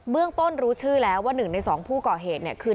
เบื้องต้นรู้ชื่อแล้วว่าหนึ่งในสองผู้ก่อเหตุคือ